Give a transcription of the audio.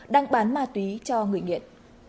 đang bán ma túy cho người nghiện